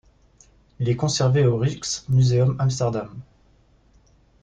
Il est conservé au Rijksmuseum Amsterdam.